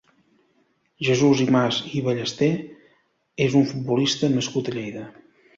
Jesús Imaz i Ballesté és un futbolista nascut a Lleida.